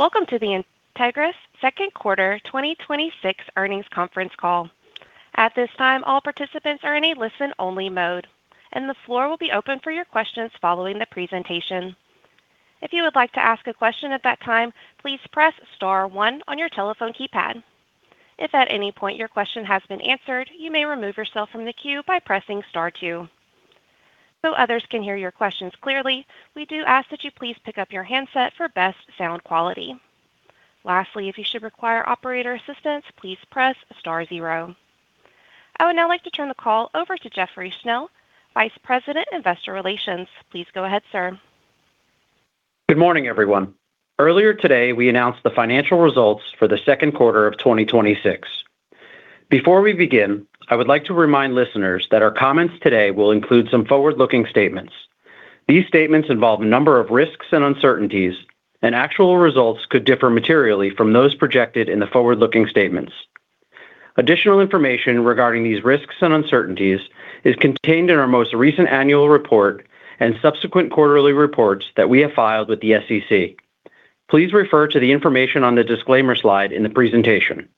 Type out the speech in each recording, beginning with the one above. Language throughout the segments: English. Welcome to the Entegris second quarter 2026 earnings conference call. At this time, all participants are in a listen-only mode. The floor will be open for your questions following the presentation. If you would like to ask a question at that time, please press star one on your telephone keypad. If at any point your question has been answered, you may remove yourself from the queue by pressing star two. Others can hear your questions clearly, we do ask that you please pick up your handset for best sound quality. Lastly, if you should require operator assistance, please press star zero. I would now like to turn the call over to Jeffrey Schnell, Vice President, Investor Relations. Please go ahead, sir. Good morning, everyone. Earlier today, we announced the financial results for the second quarter of 2026. Before we begin, I would like to remind listeners that our comments today will include some forward-looking statements. These statements involve a number of risks and uncertainties. Actual results could differ materially from those projected in the forward-looking statements. Additional information regarding these risks and uncertainties is contained in our most recent annual report and subsequent quarterly reports that we have filed with the SEC. Please refer to the information on the disclaimer slide in the presentation.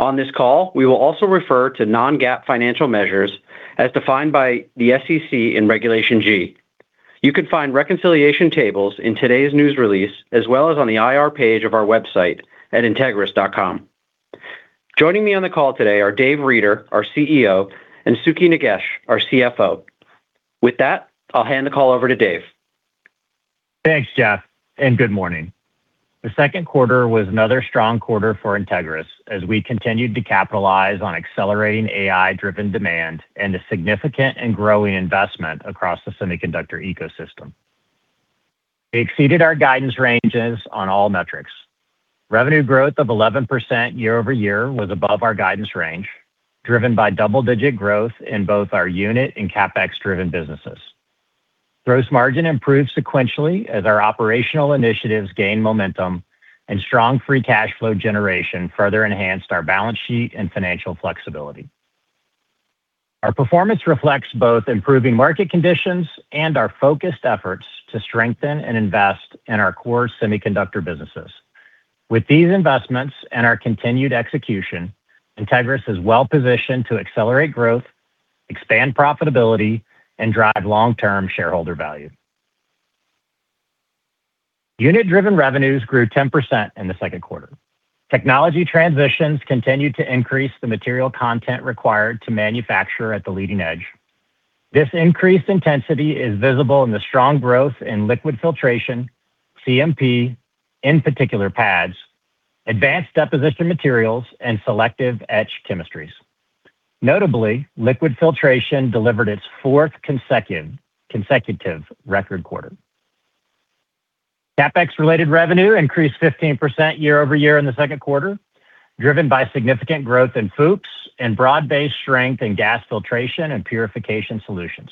On this call, we will also refer to non-GAAP financial measures as defined by the SEC in Regulation G. You can find reconciliation tables in today's news release, as well as on the IR page of our website at entegris.com. Joining me on the call today are Dave Reeder, our CEO, and Sukhi Nagesh, our CFO. With that, I'll hand the call over to Dave. Thanks, Jeff. Good morning. The second quarter was another strong quarter for Entegris as we continued to capitalize on accelerating AI-driven demand and the significant and growing investment across the semiconductor ecosystem. We exceeded our guidance ranges on all metrics. Revenue growth of 11% year-over-year was above our guidance range, driven by double-digit growth in both our unit and CapEx-driven businesses. Gross margin improved sequentially as our operational initiatives gained momentum. Strong free cash flow generation further enhanced our balance sheet and financial flexibility. Our performance reflects both improving market conditions and our focused efforts to strengthen and invest in our core semiconductor businesses. With these investments and our continued execution, Entegris is well-positioned to accelerate growth, expand profitability, and drive long-term shareholder value. Unit-driven revenues grew 10% in the second quarter. Technology transitions continued to increase the material content required to manufacture at the leading edge. This increased intensity is visible in the strong growth in liquid filtration, CMP, in particular pads, advanced deposition materials, and selective etch chemistries. Notably, liquid filtration delivered its fourth consecutive record quarter. CapEx-related revenue increased 15% year-over-year in the second quarter, driven by significant growth in FOUPs and broad-based strength in gas filtration and purification solutions.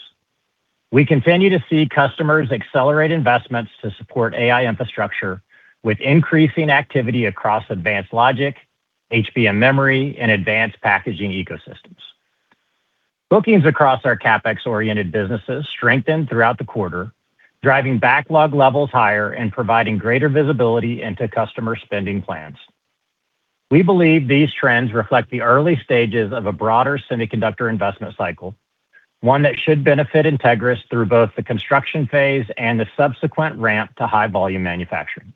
We continue to see customers accelerate investments to support AI infrastructure with increasing activity across advanced logic, HBM memory, and advanced packaging ecosystems. Bookings across our CapEx-oriented businesses strengthened throughout the quarter, driving backlog levels higher and providing greater visibility into customer spending plans. We believe these trends reflect the early stages of a broader semiconductor investment cycle, one that should benefit Entegris through both the construction phase and the subsequent ramp to high-volume manufacturing.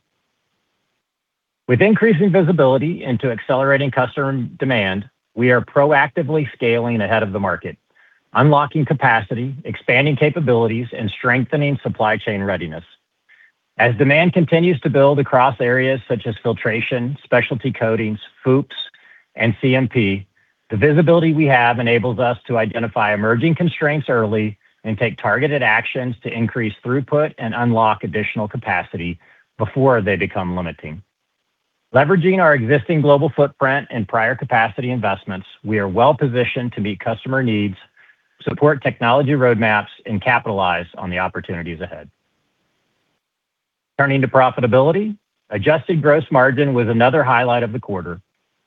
With increasing visibility into accelerating customer demand, we are proactively scaling ahead of the market, unlocking capacity, expanding capabilities, and strengthening supply chain readiness. As demand continues to build across areas such as filtration, specialty coatings, FOUPs, and CMP, the visibility we have enables us to identify emerging constraints early and take targeted actions to increase throughput and unlock additional capacity before they become limiting. Leveraging our existing global footprint and prior capacity investments, we are well-positioned to meet customer needs, support technology roadmaps, and capitalize on the opportunities ahead. Turning to profitability, adjusted gross margin was another highlight of the quarter,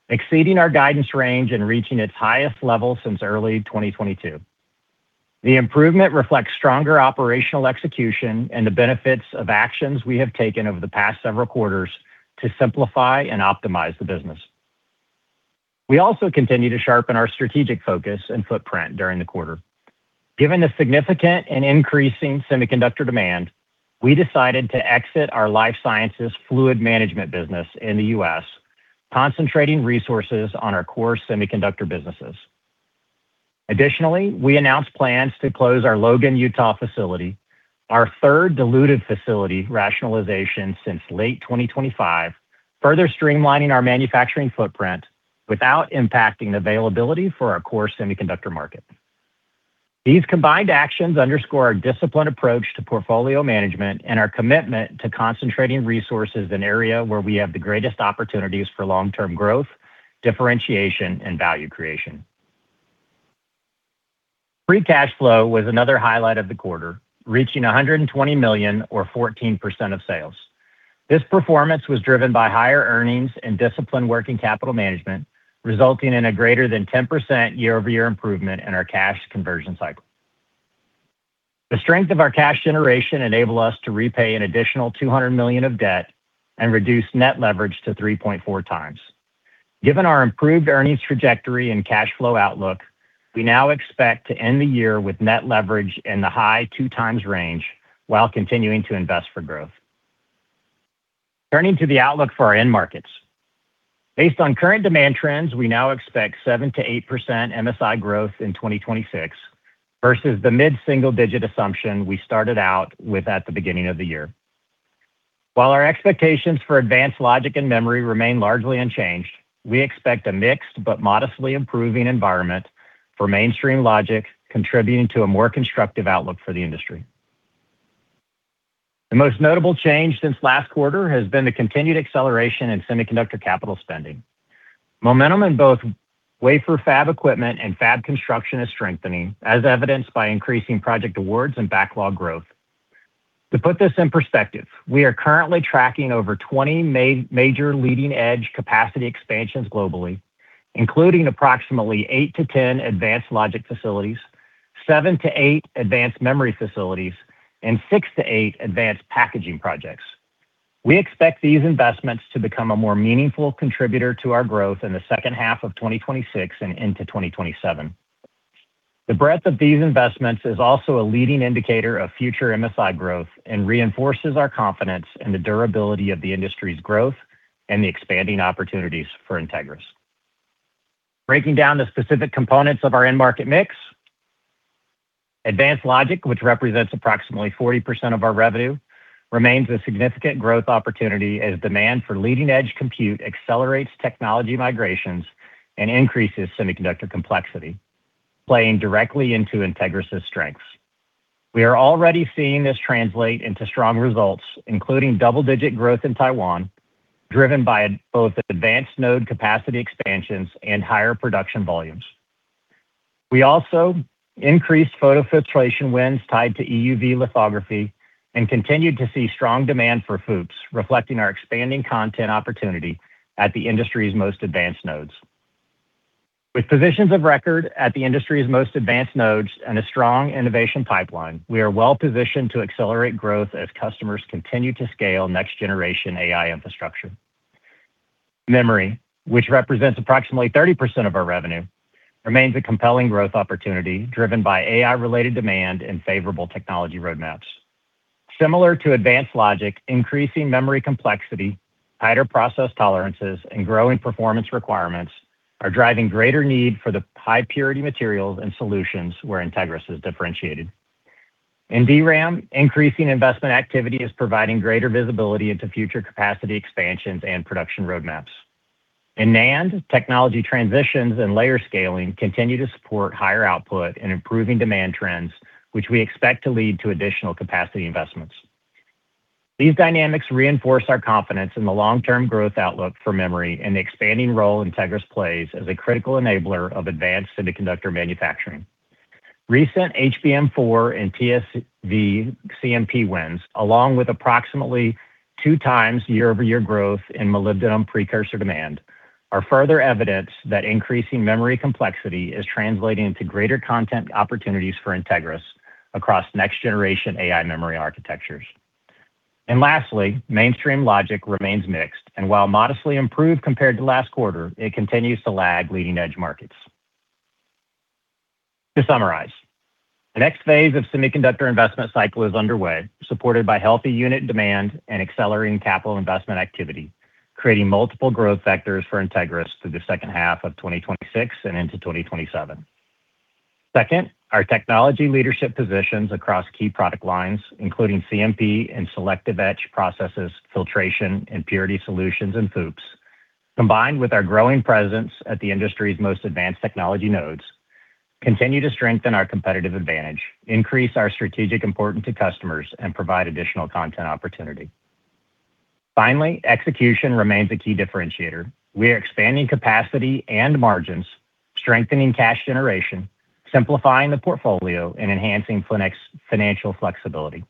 exceeding our guidance range and reaching its highest level since early 2022. The improvement reflects stronger operational execution and the benefits of actions we have taken over the past several quarters to simplify and optimize the business. We also continue to sharpen our strategic focus and footprint during the quarter. Given the significant and increasing semiconductor demand, we decided to exit our Life Sciences Fluid Management business in the U.S., concentrating resources on our core semiconductor businesses. Additionally, we announced plans to close our Logan, Utah, facility, our third diluted facility rationalization since late 2025, further streamlining our manufacturing footprint without impacting availability for our core semiconductor market. These combined actions underscore our disciplined approach to portfolio management and our commitment to concentrating resources in area where we have the greatest opportunities for long-term growth, differentiation, and value creation. Free cash flow was another highlight of the quarter, reaching $120 million or 14% of sales. This performance was driven by higher earnings and disciplined working capital management, resulting in a greater than 10% year-over-year improvement in our cash conversion cycle. The strength of our cash generation enabled us to repay an additional $200 million of debt and reduce net leverage to 3.4x. Given our improved earnings trajectory and cash flow outlook, we now expect to end the year with net leverage in the high 2x range while continuing to invest for growth. Turning to the outlook for our end markets. Based on current demand trends, we now expect 7%-8% MSI growth in 2026 versus the mid-single-digit assumption we started out with at the beginning of the year. While our expectations for advanced logic and memory remain largely unchanged, we expect a mixed but modestly improving environment for mainstream logic, contributing to a more constructive outlook for the industry. The most notable change since last quarter has been the continued acceleration in semiconductor capital spending. Momentum in both wafer fab equipment and fab construction is strengthening, as evidenced by increasing project awards and backlog growth. To put this in perspective, we are currently tracking over 20 major leading-edge capacity expansions globally, including approximately 8-10 advanced logic facilities, seven to eight advanced memory facilities, and six to eight advanced packaging projects. We expect these investments to become a more meaningful contributor to our growth in the second half of 2026 and into 2027. The breadth of these investments is also a leading indicator of future MSI growth and reinforces our confidence in the durability of the industry's growth and the expanding opportunities for Entegris. Breaking down the specific components of our end market mix. Advanced logic, which represents approximately 40% of our revenue, remains a significant growth opportunity as demand for leading-edge compute accelerates technology migrations and increases semiconductor complexity, playing directly into Entegris' strengths. We are already seeing this translate into strong results, including double-digit growth in Taiwan, driven by both advanced node capacity expansions and higher production volumes. We also increased photofiltration wins tied to EUV lithography and continued to see strong demand for FOUPs, reflecting our expanding content opportunity at the industry's most advanced nodes. With positions of record at the industry's most advanced nodes and a strong innovation pipeline, we are well-positioned to accelerate growth as customers continue to scale next generation AI infrastructure. Memory, which represents approximately 30% of our revenue, remains a compelling growth opportunity driven by AI-related demand and favorable technology roadmaps. Similar to advanced logic, increasing memory complexity, tighter process tolerances, and growing performance requirements are driving greater need for the high purity materials and solutions where Entegris is differentiated. In DRAM, increasing investment activity is providing greater visibility into future capacity expansions and production roadmaps. In NAND, technology transitions and layer scaling continue to support higher output and improving demand trends, which we expect to lead to additional capacity investments. These dynamics reinforce our confidence in the long-term growth outlook for memory and the expanding role Entegris plays as a critical enabler of advanced semiconductor manufacturing. Recent HBM4 and TSV CMP wins, along with approximately two times year-over-year growth in molybdenum precursor demand, are further evidence that increasing memory complexity is translating into greater content opportunities for Entegris across next generation AI memory architectures. Lastly, mainstream logic remains mixed, and while modestly improved compared to last quarter, it continues to lag leading-edge markets. To summarize, the next phase of semiconductor investment cycle is underway, supported by healthy unit demand and accelerating capital investment activity, creating multiple growth vectors for Entegris through the second half of 2026 and into 2027. Second, our technology leadership positions across key product lines, including CMP and selective etch processes, filtration and purity solutions, and FOUPs, combined with our growing presence at the industry's most advanced technology nodes, continue to strengthen our competitive advantage, increase our strategic importance to customers, and provide additional content opportunity. Finally, execution remains a key differentiator. We are expanding capacity and margins, strengthening cash generation, simplifying the portfolio, and enhancing financial flexibility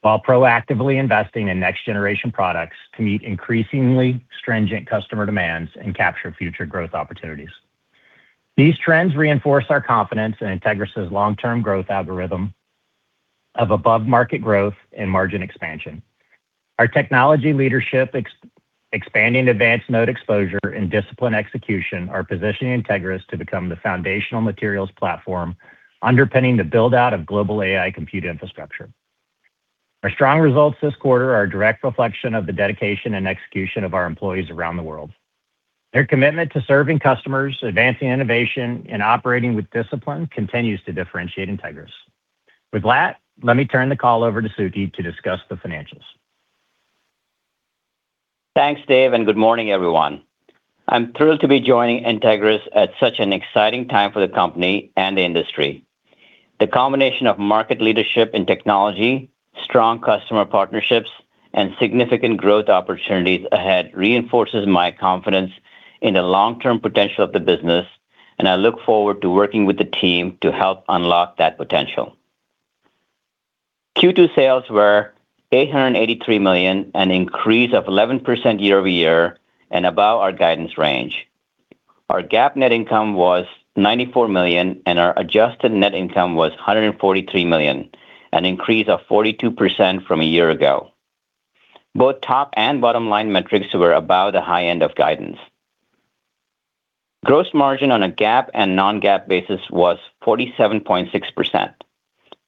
while proactively investing in next-generation products to meet increasingly stringent customer demands and capture future growth opportunities. These trends reinforce our confidence in Entegris' long-term growth algorithm of above-market growth and margin expansion. Our technology leadership, expanding advanced node exposure, and disciplined execution are positioning Entegris to become the foundational materials platform underpinning the build-out of global AI compute infrastructure. Our strong results this quarter are a direct reflection of the dedication and execution of our employees around the world. Their commitment to serving customers, advancing innovation, and operating with discipline continues to differentiate Entegris. With that, let me turn the call over to Sukhi to discuss the financials. Thanks, Dave, and good morning, everyone. I'm thrilled to be joining Entegris at such an exciting time for the company and the industry. The combination of market leadership and technology, strong customer partnerships, and significant growth opportunities ahead reinforces my confidence in the long-term potential of the business, and I look forward to working with the team to help unlock that potential. Q2 sales were $883 million, an increase of 11% year-over-year and above our guidance range. Our GAAP net income was $94 million, and our adjusted net income was $143 million, an increase of 42% from a year ago. Both top and bottom-line metrics were above the high end of guidance. Gross margin on a GAAP and non-GAAP basis was 47.6%.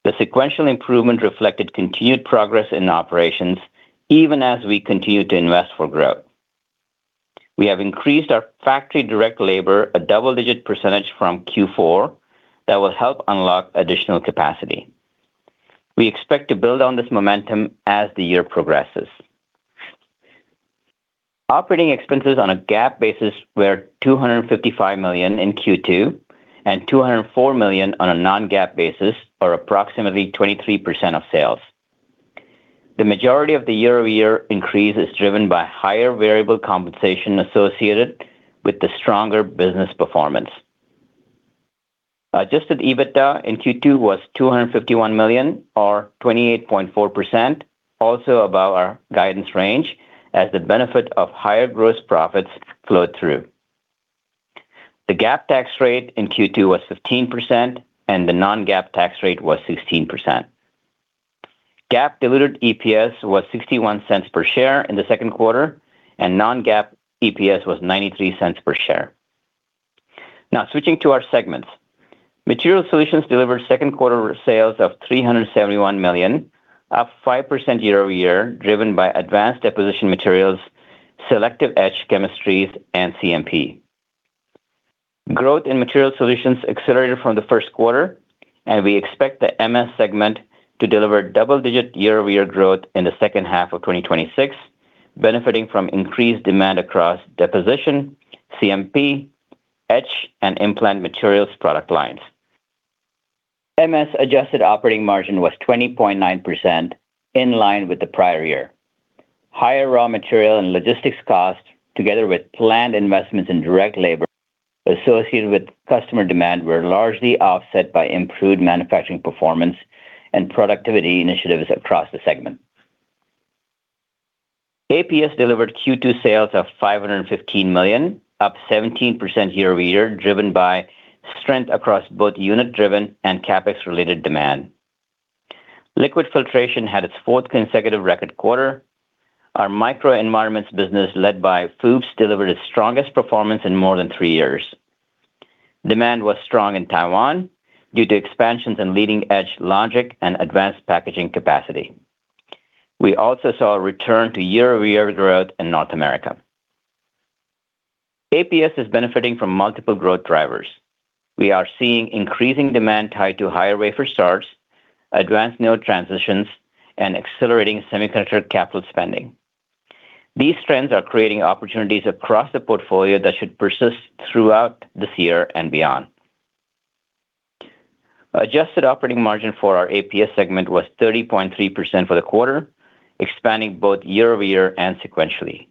The sequential improvement reflected continued progress in operations even as we continued to invest for growth. We have increased our factory direct labor a double-digit percentage from Q4 that will help unlock additional capacity. We expect to build on this momentum as the year progresses. Operating expenses on a GAAP basis were $255 million in Q2, and $204 million on a non-GAAP basis, or approximately 23% of sales. The majority of the year-over-year increase is driven by higher variable compensation associated with the stronger business performance. Adjusted EBITDA in Q2 was $251 million, or 28.4%, also above our guidance range as the benefit of higher gross profits flowed through. The GAAP tax rate in Q2 was 15%, and the non-GAAP tax rate was 16%. GAAP diluted EPS was $0.61 per share in the second quarter, and non-GAAP EPS was $0.93 per share. Now, switching to our segments. Materials Solutions delivered second quarter sales of $371 million, up 5% year-over-year, driven by advanced deposition materials, selective etch chemistries, and CMP. Growth in Materials Solutions accelerated from the first quarter, and we expect the MS segment to deliver double-digit year-over-year growth in the second half of 2026, benefiting from increased demand across deposition, CMP, etch, and implant materials product lines. MS adjusted operating margin was 20.9%, in line with the prior year. Higher raw material and logistics costs, together with planned investments in direct labor associated with customer demand, were largely offset by improved manufacturing performance and productivity initiatives across the segment. APS delivered Q2 sales of $515 million, up 17% year-over-year, driven by strength across both unit-driven and CapEx-related demand. Liquid filtration had its fourth consecutive record quarter. Our microenvironments business, led by FOUPs, delivered its strongest performance in more than three years. Demand was strong in Taiwan due to expansions in leading-edge logic and advanced packaging capacity. We also saw a return to year-over-year growth in North America. APS is benefiting from multiple growth drivers. We are seeing increasing demand tied to higher wafer starts, advanced node transitions, and accelerating semiconductor capital spending. These trends are creating opportunities across the portfolio that should persist throughout this year and beyond. Adjusted operating margin for our APS segment was 30.3% for the quarter, expanding both year-over-year and sequentially.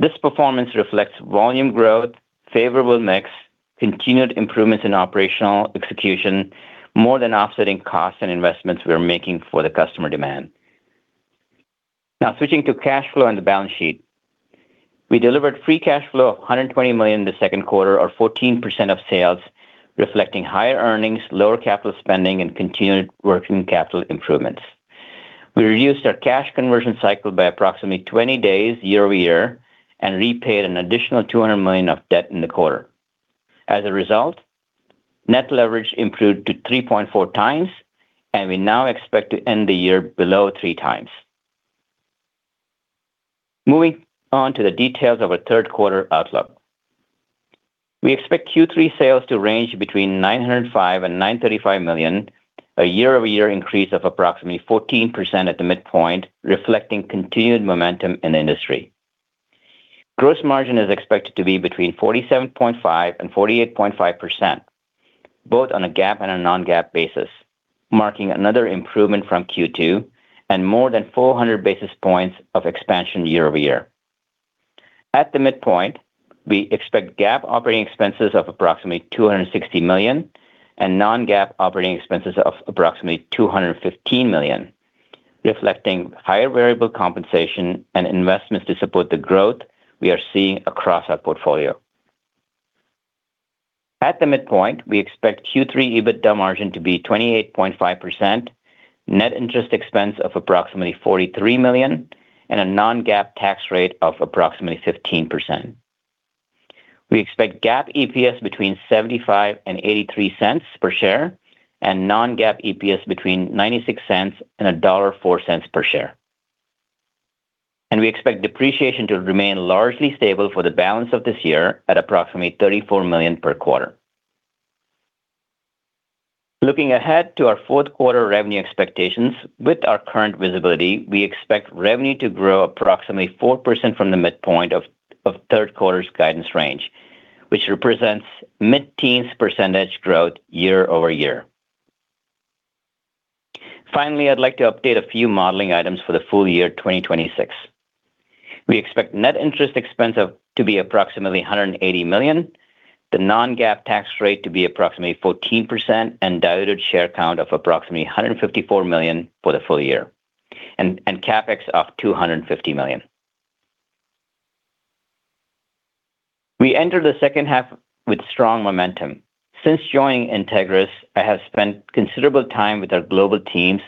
This performance reflects volume growth, favorable mix, continued improvements in operational execution, more than offsetting costs and investments we're making for the customer demand. Now, switching to cash flow and the balance sheet. We delivered free cash flow of $120 million in the second quarter, or 14% of sales, reflecting higher earnings, lower capital spending, and continued working capital improvements. We reduced our cash conversion cycle by approximately 20 days year-over-year and repaid an additional $200 million of debt in the quarter. As a result, net leverage improved to 3.4x, and we now expect to end the year below 3x. Moving on to the details of our third quarter outlook. We expect Q3 sales to range between $905 million and $935 million, a year-over-year increase of approximately 14% at the midpoint, reflecting continued momentum in the industry. Gross margin is expected to be between 47.5% and 48.5%, both on a GAAP and a non-GAAP basis, marking another improvement from Q2 and more than 400 basis points of expansion year-over-year. At the midpoint, we expect GAAP operating expenses of approximately $260 million and non-GAAP operating expenses of approximately $215 million, reflecting higher variable compensation and investments to support the growth we are seeing across our portfolio. At the midpoint, we expect Q3 EBITDA margin to be 28.5%, net interest expense of approximately $43 million, and a non-GAAP tax rate of approximately 15%. We expect GAAP EPS between $0.75 and $0.83 per share and non-GAAP EPS between $0.96 and $1.04 per share. We expect depreciation to remain largely stable for the balance of this year at approximately $34 million per quarter. Looking ahead to our fourth quarter revenue expectations, with our current visibility, we expect revenue to grow approximately 4% from the midpoint of third quarter's guidance range, which represents mid-teens percentage growth year-over-year. Finally, I'd like to update a few modeling items for the full year 2026. We expect net interest expense to be approximately $180 million, the non-GAAP tax rate to be approximately 14%, and diluted share count of approximately 154 million for the full year. CapEx of $250 million. We enter the second half with strong momentum. Since joining Entegris, I have spent considerable time with our global teams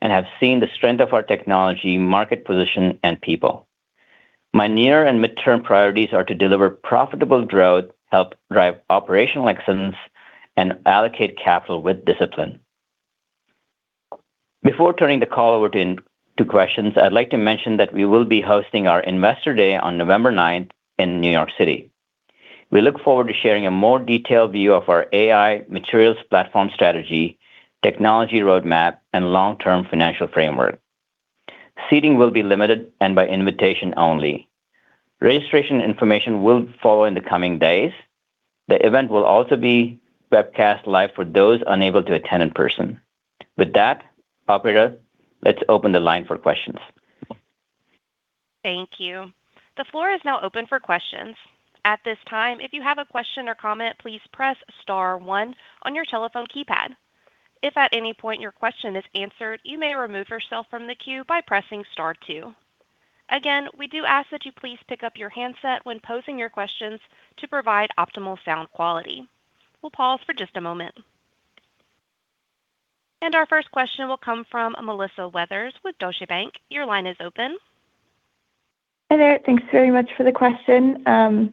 and have seen the strength of our technology, market position, and people. My near and midterm priorities are to deliver profitable growth, help drive operational excellence, and allocate capital with discipline. Before turning the call over to questions, I'd like to mention that we will be hosting our Investor Day on November 9th in New York City. We look forward to sharing a more detailed view of our AI materials platform strategy, technology roadmap and long-term financial framework. Seating will be limited and by invitation only. Registration information will follow in the coming days. The event will also be webcast live for those unable to attend in person. With that, operator, let's open the line for questions. Thank you. The floor is now open for questions. At this time, if you have a question or comment, please press star one on your telephone keypad. If at any point your question is answered, you may remove yourself from the queue by pressing star two. Again, we do ask that you please pick up your handset when posing your questions to provide optimal sound quality. We'll pause for just a moment. Our first question will come from Melissa Weathers with Deutsche Bank. Your line is open. Hi there. Thanks very much for the question. A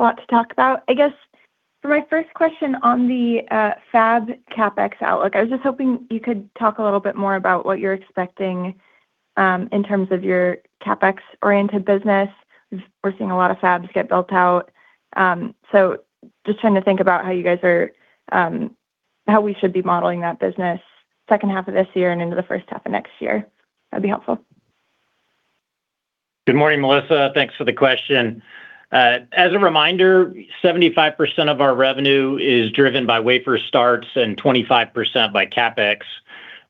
lot to talk about. I guess for my first question on the fab CapEx outlook, I was just hoping you could talk a little bit more about what you're expecting, in terms of your CapEx-oriented business. We're seeing a lot of fabs get built out. Just trying to think about how we should be modeling that business second half of this year and into the first half of next year. That'd be helpful. Good morning, Melissa. Thanks for the question. As a reminder, 75% of our revenue is driven by wafer starts and 25% by CapEx.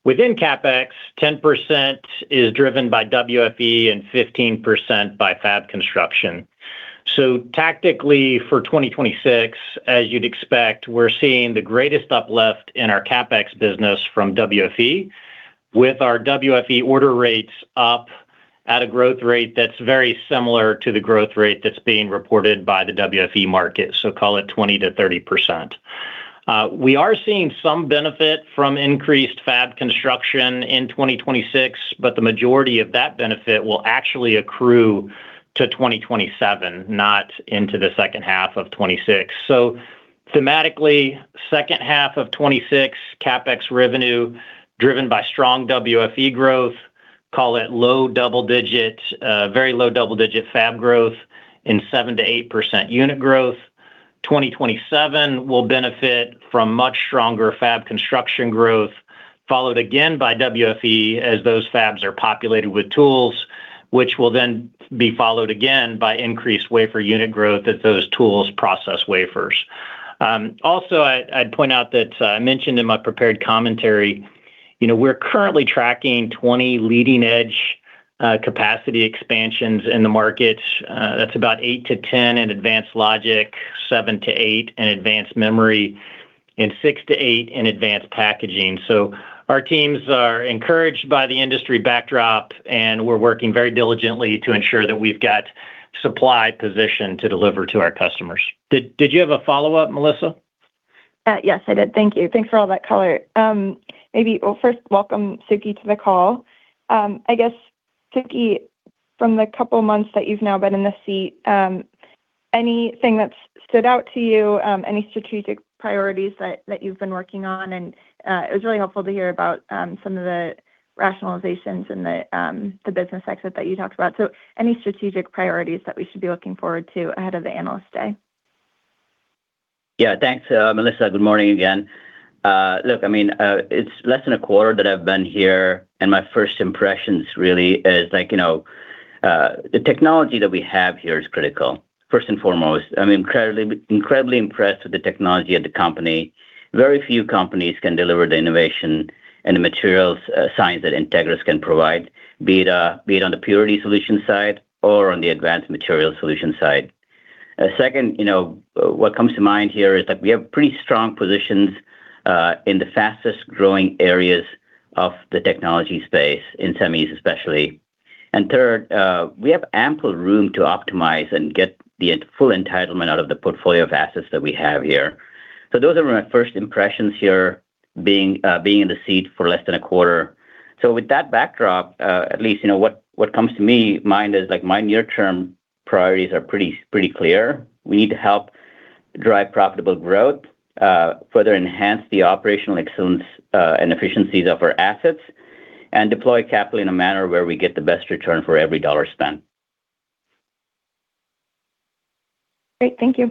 Within CapEx, 10% is driven by WFE and 15% by fab construction. Tactically for 2026, as you'd expect, we're seeing the greatest uplift in our CapEx business from WFE, with our WFE order rates up at a growth rate that's very similar to the growth rate that's being reported by the WFE market. Call it 20%-30%. We are seeing some benefit from increased fab construction in 2026, the majority of that benefit will actually accrue to 2027, not into the second half of 2026. Thematically, second half of 2026, CapEx revenue driven by strong WFE growth, call it very low double-digit fab growth and 7%-8% unit growth. 2027 will benefit from much stronger fab construction growth, followed again by WFE as those fabs are populated with tools, which will then be followed again by increased wafer unit growth as those tools process wafers. Also, I'd point out that I mentioned in my prepared commentary, we're currently tracking 20 leading-edge capacity expansions in the market. That's about 8-10 in advanced logic, seven to eight in advanced memory, and six to eight in advanced packaging. Our teams are encouraged by the industry backdrop, we're working very diligently to ensure that we've got supply position to deliver to our customers. Did you have a follow-up, Melissa? Yes, I did. Thank you. Thanks for all that color. Well, first, welcome, Sukhi, to the call. I guess, Sukhi, from the couple of months that you've now been in the seat, anything that's stood out to you, any strategic priorities that you've been working on? It was really helpful to hear about some of the rationalizations and the business exit that you talked about. Any strategic priorities that we should be looking forward to ahead of the Analyst Day? Yeah, thanks, Melissa. Good morning again. Look, it's less than a quarter that I've been here, my first impressions really is the technology that we have here is critical, first and foremost. I'm incredibly impressed with the technology of the company. Very few companies can deliver the innovation and the materials science that Entegris can provide, be it on the Purity Solution side or on the Advanced Materials Solution side. Second, what comes to mind here is that we have pretty strong positions, in the fastest-growing areas of the technology space, in Semis especially. Third, we have ample room to optimize and get the full entitlement out of the portfolio of assets that we have here. Those are my first impressions here, being in the seat for less than a quarter. With that backdrop, at least what comes to my mind is my near-term priorities are pretty clear. We need to help drive profitable growth, further enhance the operational excellence and efficiencies of our assets, and deploy capital in a manner where we get the best return for every dollar spent. Great. Thank you.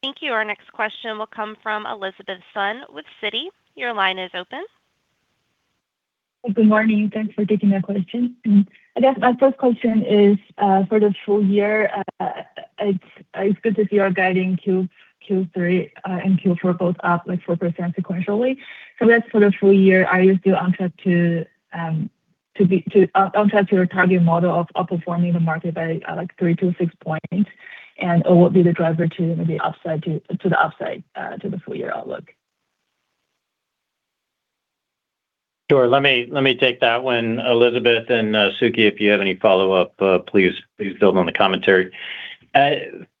Thank you. Our next question will come from Elizabeth Sun with Citi. Your line is open. Good morning. Thanks for taking the question. I guess my first question is, for the full year, it's good that you are guiding Q3 and Q4 both up, like 4% sequentially. That's for the full year. Are you still on track to be on track to your target model of outperforming the market by 3 points-6 points, and what will be the driver to maybe to the upside to the full-year outlook? Sure. Let me take that one, Elizabeth, and Sukhi, if you have any follow-up, please build on the commentary.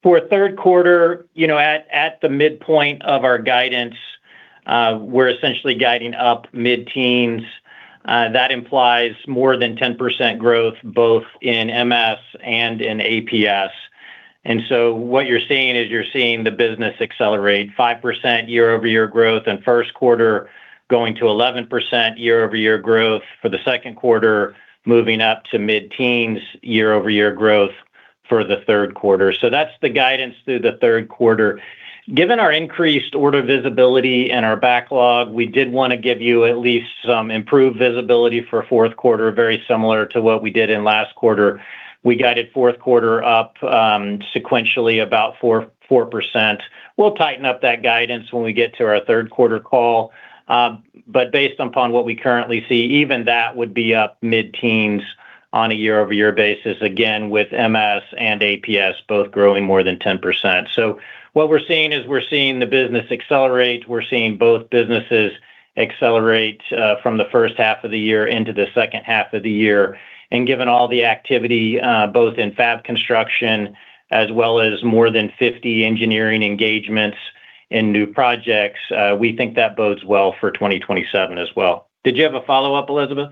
For third quarter, at the midpoint of our guidance, we're essentially guiding up mid-teens. That implies more than 10% growth both in MS and in APS. What you're seeing is you're seeing the business accelerate 5% year-over-year growth in first quarter, going to 11% year-over-year growth for the second quarter, moving up to mid-teens year-over-year growth for the third quarter. That's the guidance through the third quarter. Given our increased order visibility and our backlog, we did want to give you at least some improved visibility for fourth quarter, very similar to what we did in last quarter. We guided fourth quarter up sequentially about 4%. We'll tighten up that guidance when we get to our third quarter call. Based upon what we currently see, even that would be up mid-teens on a year-over-year basis, again, with MS and APS both growing more than 10%. What we're seeing is we're seeing the business accelerate. We're seeing both businesses accelerate from the first half of the year into the second half of the year. Given all the activity, both in fab construction as well as more than 50 engineering engagements in new projects, we think that bodes well for 2027 as well. Did you have a follow-up, Elizabeth?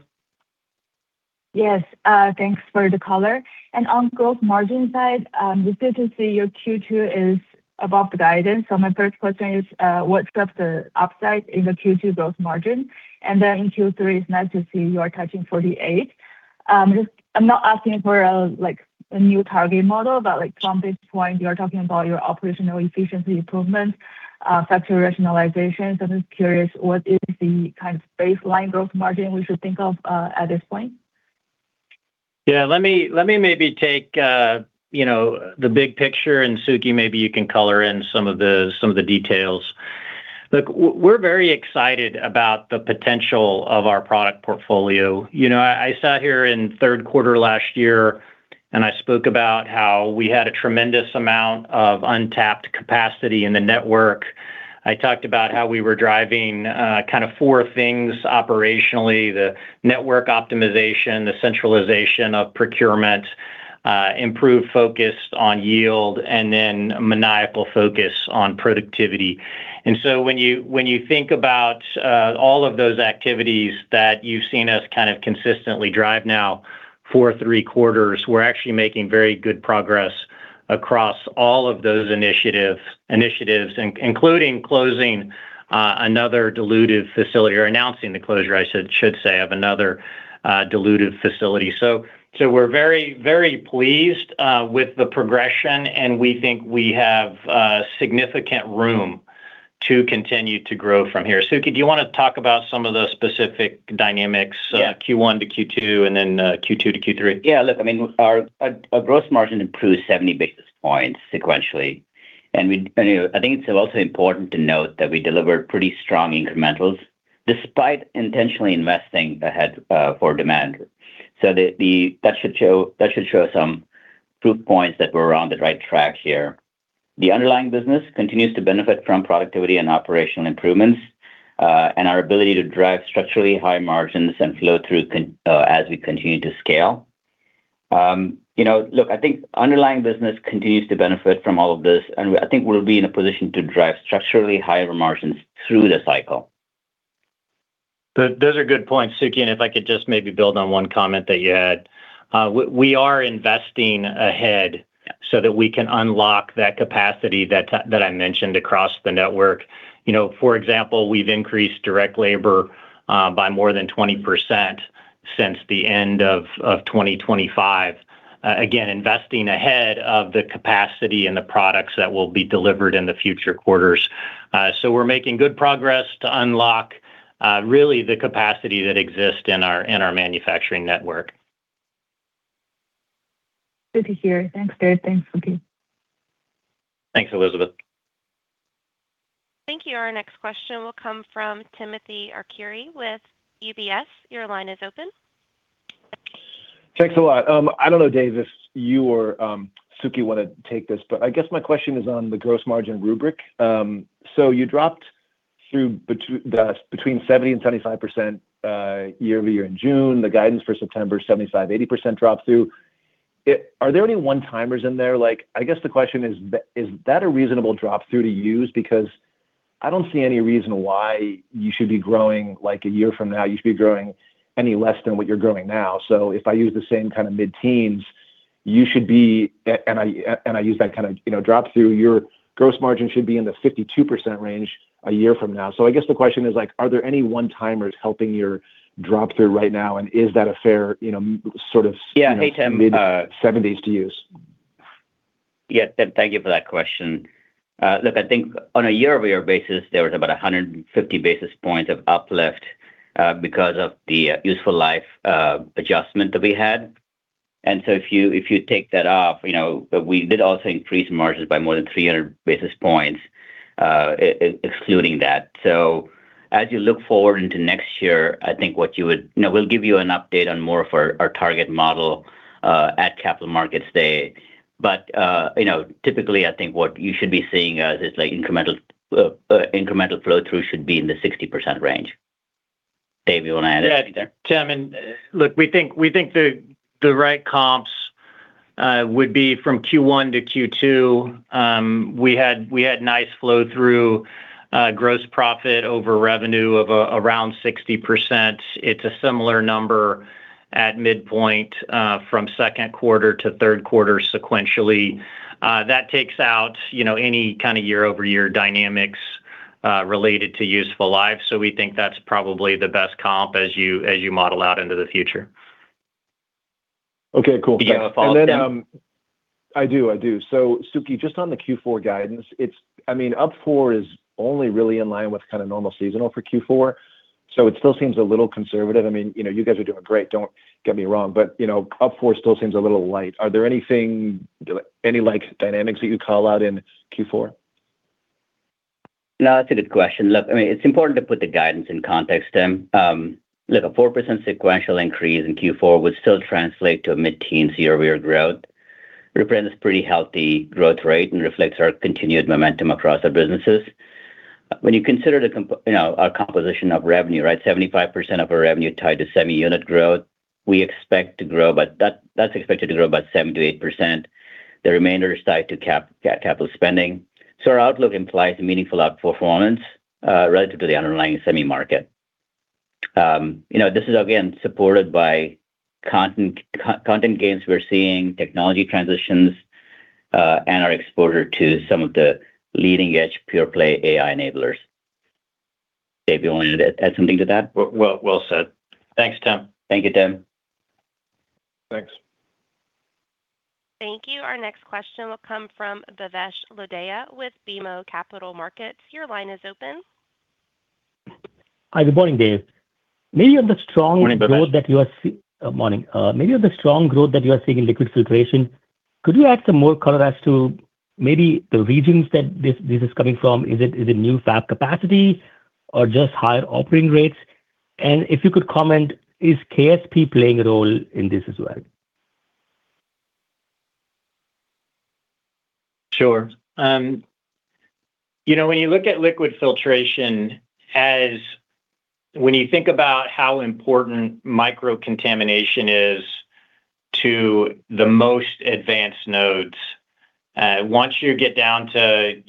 Thanks for the color. On gross margin side, just good to see your Q2 is above the guidance. My first question is, what's got the upside in the Q2 gross margin? Then in Q3, it's nice to see you are touching 48. I'm not asking for a new target model, but from this point, you're talking about your operational efficiency improvements, factory rationalizations. I'm just curious, what is the kind of baseline gross margin we should think of at this point? Yeah. Let me maybe take the big picture, Sukhi, maybe you can color in some of the details. Look, we're very excited about the potential of our product portfolio. I sat here in third quarter last year, I spoke about how we had a tremendous amount of untapped capacity in the network. I talked about how we were driving kind of four things operationally, the network optimization, the centralization of procurement, improved focus on yield, then maniacal focus on productivity. When you think about all of those activities that you've seen us kind of consistently drive now for three quarters, we're actually making very good progress across all of those initiatives, including closing another dilutive facility, or announcing the closure, I should say, of another dilutive facility. We're very pleased with the progression, we think we have significant room to continue to grow from here. Sukhi, do you want to talk about some of the specific dynamics? Yeah Q1 to Q2 to Q3? look, our gross margin improved 70 basis points sequentially. I think it's also important to note that we delivered pretty strong incrementals despite intentionally investing ahead for demand. That should show some proof points that we're on the right track here. The underlying business continues to benefit from productivity and operational improvements, and our ability to drive structurally high margins and flow through as we continue to scale. Look, I think underlying business continues to benefit from all of this, and I think we'll be in a position to drive structurally higher margins through the cycle. Those are good points, Sukhi, and if I could just maybe build on one comment that you had. We are investing ahead so that we can unlock that capacity that I mentioned across the network. For example, we've increased direct labor by more than 20% since the end of 2025. Again, investing ahead of the capacity and the products that will be delivered in the future quarters. We're making good progress to unlock really the capacity that exists in our manufacturing network. Good to hear. Thanks, Dave. Thanks, Sukhi. Thanks, Elizabeth. Thank you. Our next question will come from Timothy Arcuri with UBS. Your line is open. Thanks a lot. I don't know, Dave, if you or Sukhi want to take this, but I guess my question is on the gross margin rubric. You dropped through between 70% and 75% year-over-year in June. The guidance for September, 75%-80% drop-through. Are there any one-timers in there? I guess the question is that a reasonable drop-through to use? Because I don't see any reason why you should be growing a year from now, you should be growing any less than what you're growing now. If I use the same kind of mid-teens, and I use that kind of drop-through, your gross margin should be in the 52% range a year from now. I guess the question is, are there any one-timers helping your drop-through right now, and is that a fair. Yeah. Hey, Tim. mid-70s to use? Tim, thank you for that question. I think on a year-over-year basis, there was about 150 basis points of uplift because of the useful life adjustment that we had. If you take that off, we did also increase margins by more than 300 basis points excluding that. As you look forward into next year, we'll give you an update on more for our target model at Capital Markets Day. Typically, I think what you should be seeing is this incremental flow-through should be in the 60% range. Dave, you want to add anything there? Tim, we think the right comps would be from Q1 to Q2. We had nice flow through gross profit over revenue of around 60%. It's a similar number at midpoint from second quarter to third quarter sequentially. That takes out any kind of year-over-year dynamics related to useful life. We think that's probably the best comp as you model out into the future. Okay, cool. You have a follow-up, Tim? I do. Sukhi, just on the Q4 guidance, up 4% is only really in line with kind of normal seasonal for Q4. It still seems a little conservative. You guys are doing great, don't get me wrong. Up 4% still seems a little light. Are there any dynamics that you call out in Q4? No, that's a good question. It's important to put the guidance in context, Tim. A 4% sequential increase in Q4 would still translate to a mid-teen year-over-year growth. Represents pretty healthy growth rate and reflects our continued momentum across our businesses. When you consider our composition of revenue, 75% of our revenue tied to semi-unit growth, that's expected to grow about 7%-8%. The remainder is tied to capital spending. Our outlook implies meaningful outperformance relative to the underlying semi market. This is again supported by content gains we're seeing, technology transitions, and our exposure to some of the leading-edge pure play AI enablers. Dave, you wanted to add something to that? Well said. Thanks, Tim. Thank you, Tim. Thanks. Thank you. Our next question will come from Bhavesh Lodaya with BMO Capital Markets. Your line is open. Hi, good morning, Dave. Morning, Bhavesh. Morning. Maybe on the strong growth that you are seeing in liquid filtration, could you add some more color as to maybe the regions that this is coming from? Is it new fab capacity or just higher operating rates? If you could comment, is KSP playing a role in this as well? Sure. When you look at liquid filtration, when you think about how important micro-contamination is to the most advanced nodes, once you get down to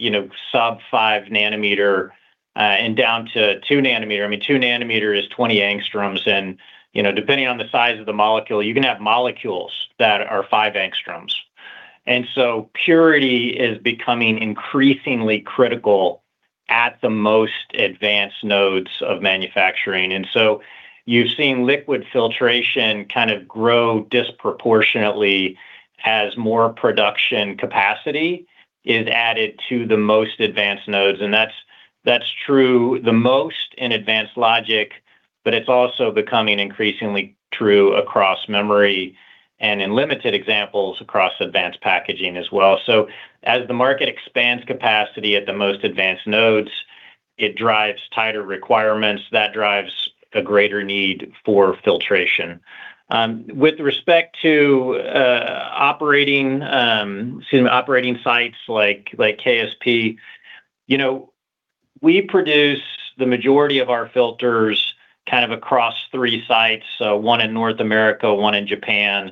sub 5 nm, and down to 2 nm, 2 nm is 20 angstroms, and depending on the size of the molecule, you can have molecules that are 5 angstroms. Purity is becoming increasingly critical at the most advanced nodes of manufacturing. You've seen liquid filtration kind of grow disproportionately as more production capacity is added to the most advanced nodes. That's true the most in advanced logic, but it's also becoming increasingly true across memory and in limited examples across advanced packaging as well. As the market expands capacity at the most advanced nodes, it drives tighter requirements. That drives a greater need for filtration. With respect to operating consumer operating sites like KSP, we produce the majority of our filters kind of across three sites, so one in North America, one in Japan,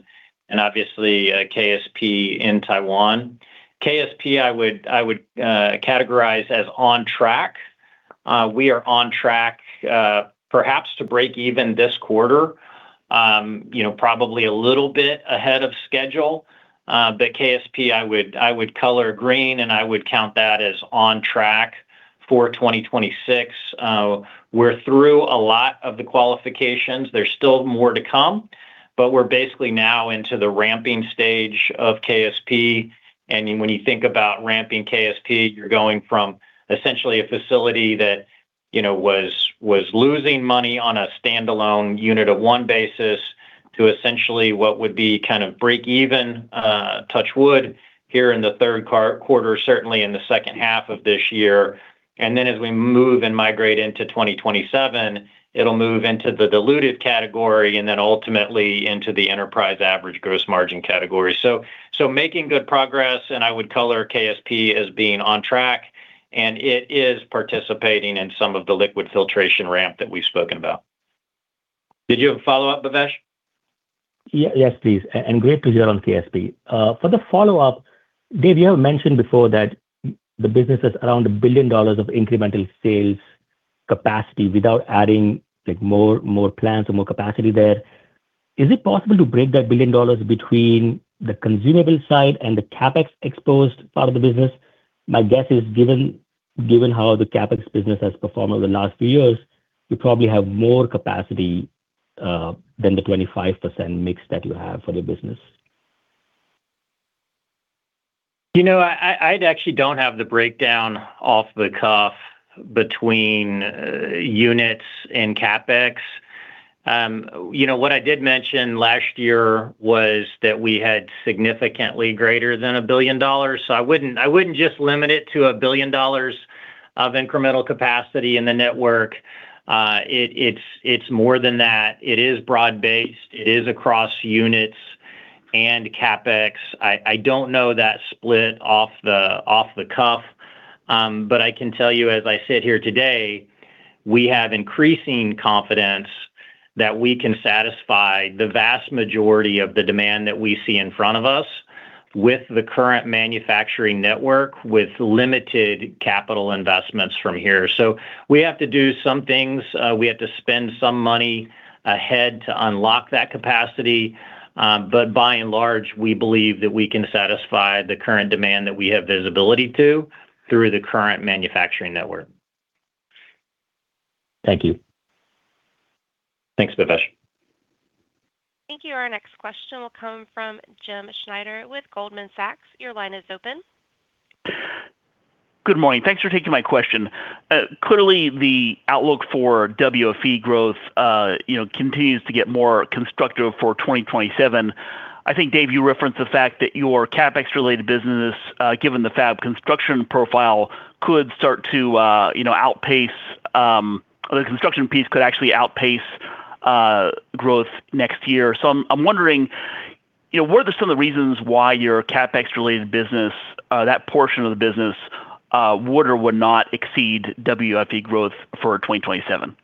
and obviously KSP in Taiwan. KSP, I would categorize as on track. We are on track, perhaps to break even this quarter. Probably a little bit ahead of schedule. KSP, I would color green, and I would count that as on track for 2026. We're through a lot of the qualifications. There's still more to come, but we're basically now into the ramping stage of KSP. When you think about ramping KSP, you're going from essentially a facility that was losing money on a standalone unit of 1 basis to essentially what would be kind of break even, touch wood, here in the third quarter, certainly in the second half of this year. As we move and migrate into 2027, it'll move into the diluted category, and then ultimately into the enterprise average gross margin category. Making good progress, and I would color KSP as being on track, and it is participating in some of the liquid filtration ramp that we've spoken about. Did you have a follow-up, Bhavesh? Yes, please. Great to hear on KSP. For the follow-up, Dave, you have mentioned before that the business has around $1 billion of incremental sales capacity without adding more plants or more capacity there. Is it possible to break that $1 billion between the consumable side and the CapEx-exposed part of the business? My guess is given how the CapEx business has performed over the last few years, you probably have more capacity than the 25% mix that you have for the business. I actually don't have the breakdown off the cuff between units and CapEx. What I did mention last year was that we had significantly greater than $1 billion. I wouldn't just limit it to $1 billion of incremental capacity in the network. It's more than that. It is broad-based. It is across units and CapEx. I don't know that split off the cuff. I can tell you, as I sit here today, we have increasing confidence that we can satisfy the vast majority of the demand that we see in front of us with the current manufacturing network, with limited capital investments from here. We have to do some things. We have to spend some money ahead to unlock that capacity. By and large, we believe that we can satisfy the current demand that we have visibility to through the current manufacturing network. Thank you. Thanks, Bhavesh. Thank you. Our next question will come from Jim Schneider with Goldman Sachs. Your line is open. Good morning. Thanks for taking my question. Clearly, the outlook for WFE growth continues to get more constructive for 2027. I think, Dave, you referenced the fact that your CapEx-related business, given the fab construction profile, the construction piece could actually outpace growth next year. I'm wondering, what are some of the reasons why your CapEx-related business, that portion of the business would or would not exceed WFE growth for 2027?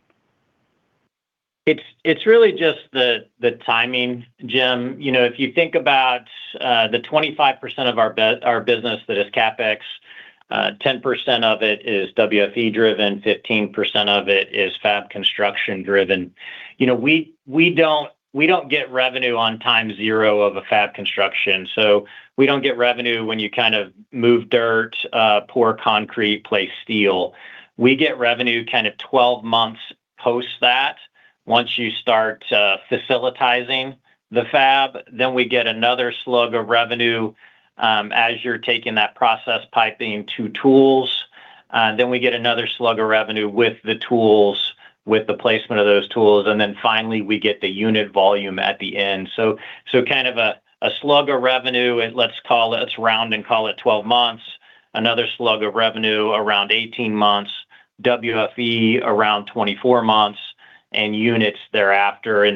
It's really just the timing, Jim. If you think about the 25% of our business that is CapEx, 10% of it is WFE-driven, 15% of it is fab construction-driven. We don't get revenue on time zero of a fab construction. We don't get revenue when you move dirt, pour concrete, place steel. We get revenue 12 months post that. Once you start facilitizing the fab, we get another slug of revenue as you're taking that process piping to tools. We get another slug of revenue with the placement of those tools, finally, we get the unit volume at the end. Kind of a slug of revenue, let's round and call it 12 months, another slug of revenue around 18 months, WFE around 24 months, units thereafter.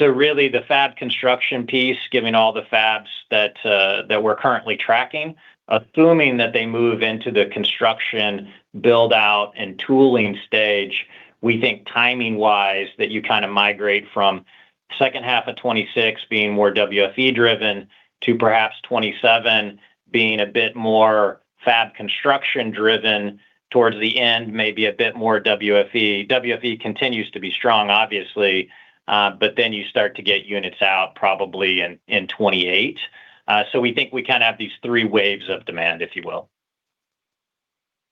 Really the fab construction piece, given all the fabs that we're currently tracking, assuming that they move into the construction build-out and tooling stage, we think timing-wise, that you kind of migrate from second half of 2026 being more WFE-driven to perhaps 2027 being a bit more fab construction-driven. Towards the end, maybe a bit more WFE. WFE continues to be strong, obviously, you start to get units out probably in 2028. We think we kind of have these three waves of demand, if you will.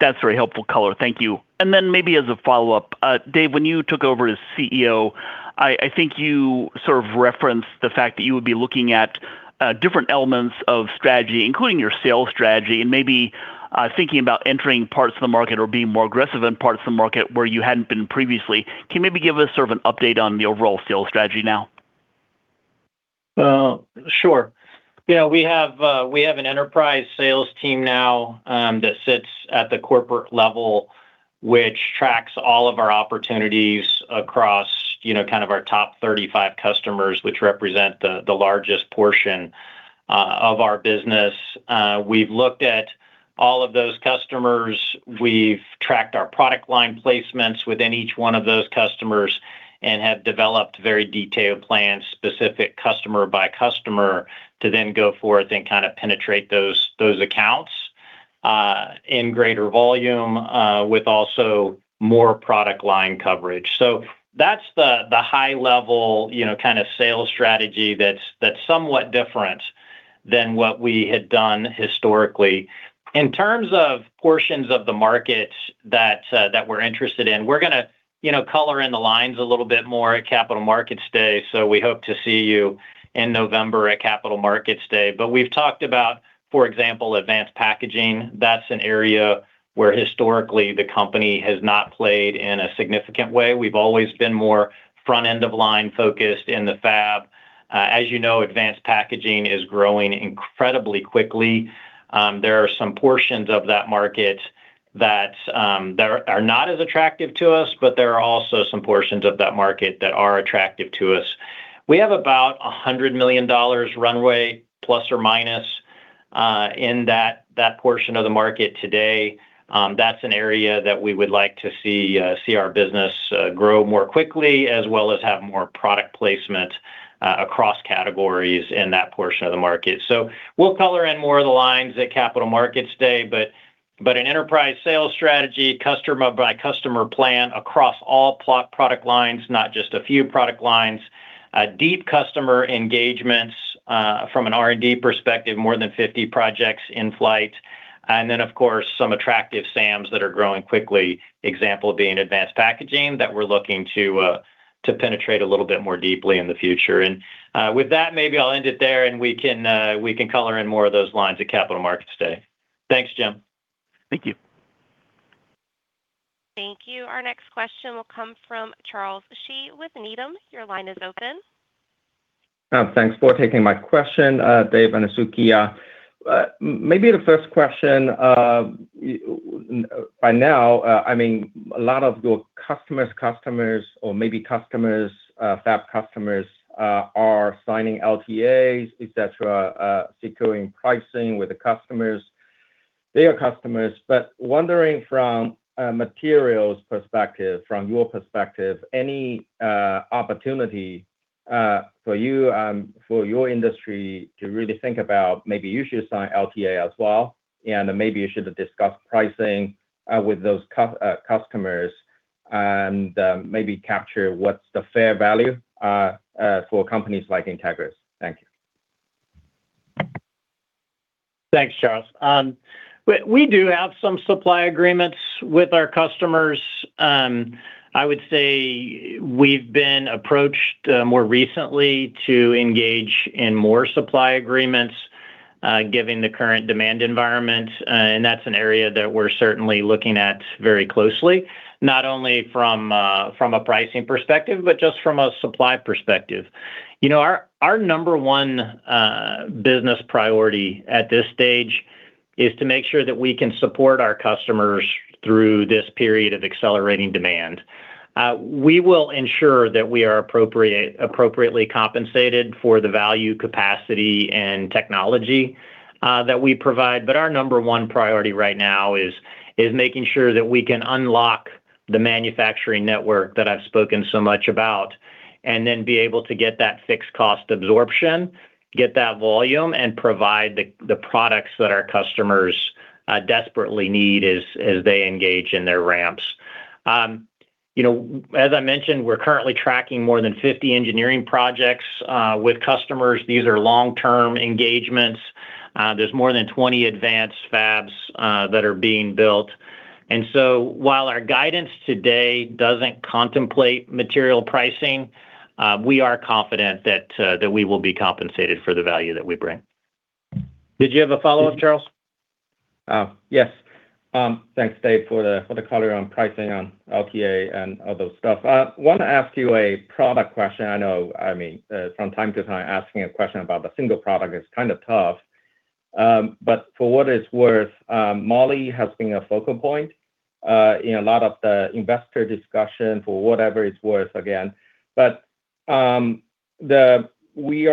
That's very helpful color. Thank you. Maybe as a follow-up, Dave, when you took over as CEO, I think you sort of referenced the fact that you would be looking at different elements of strategy, including your sales strategy, and maybe thinking about entering parts of the market or being more aggressive in parts of the market where you hadn't been previously. Can you maybe give us sort of an update on the overall sales strategy now? Sure. We have an enterprise sales team now that sits at the corporate level, which tracks all of our opportunities across kind of our top 35 customers, which represent the largest portion of our business. We've looked at all of those customers. We've tracked our product line placements within each one of those customers and have developed very detailed plans, specific customer by customer, to then go forth and kind of penetrate those accounts in greater volume with also more product line coverage. That's the high level kind of sales strategy that's somewhat different than what we had done historically. In terms of portions of the market that we're interested in, we're going to color in the lines a little bit more at Capital Markets Day. We hope to see you in November at Capital Markets Day. We've talked about, for example, advanced packaging. That's an area where historically the company has not played in a significant way. We've always been more front end of line focused in the fab. As you know, advanced packaging is growing incredibly quickly. There are some portions of that market that are not as attractive to us, but there are also some portions of that market that are attractive to us. We have about $100 million runway, plus or minus, in that portion of the market today. That's an area that we would like to see our business grow more quickly as well as have more product placement across categories in that portion of the market. We'll color in more of the lines at Capital Markets Day, but an enterprise sales strategy, customer by customer plan across all product lines, not just a few product lines, deep customer engagements from an R&D perspective, more than 50 projects in flight. Of course, some attractive SAMs that are growing quickly, example being advanced packaging, that we're looking to penetrate a little bit more deeply in the future. With that, maybe I'll end it there and we can color in more of those lines at Capital Markets Day. Thanks, Jim. Thank you. Thank you. Our next question will come from Charles Shi with Needham. Your line is open. Thanks for taking my question, Dave and Sukhi. The first question, by now, a lot of your customers' customers, or maybe customers, fab customers, are signing LTAs, et cetera, securing pricing with the customers, their customers. Wondering from a materials perspective, from your perspective, any opportunity for your industry to really think about maybe you should sign LTA as well, and maybe you should discuss pricing with those customers and maybe capture what's the fair value for companies like Entegris? Thank you. Thanks, Charles. We do have some supply agreements with our customers. I would say we've been approached more recently to engage in more supply agreements, given the current demand environment, that's an area that we're certainly looking at very closely, not only from a pricing perspective, but just from a supply perspective. Our number one business priority at this stage is to make sure that we can support our customers through this period of accelerating demand. We will ensure that we are appropriately compensated for the value, capacity, and technology that we provide. Our numbern one priority right now is making sure that we can unlock the manufacturing network that I've spoken so much about, then be able to get that fixed cost absorption, get that volume, and provide the products that our customers desperately need as they engage in their ramps. As I mentioned, we're currently tracking more than 50 engineering projects with customers. These are long-term engagements. There's more than 20 advanced fabs that are being built. While our guidance today doesn't contemplate material pricing, we are confident that we will be compensated for the value that we bring. Did you have a follow-up, Charles? Yes. Thanks, Dave, for the color on pricing on LTA and other stuff. I want to ask you a product question. I know from time to time, asking a question about a single product is kind of tough. For what it's worth, Molybdenum has been a focal point in a lot of the investor discussion, for whatever it's worth, again. We've